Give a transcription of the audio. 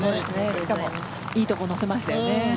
しかもいいところに乗せましたよね。